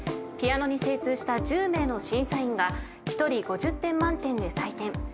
ピアノに精通した１０名の審査員が１人５０点満点で採点。